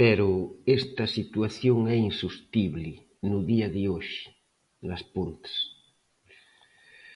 Pero esta situación é insostible no día de hoxe nas Pontes.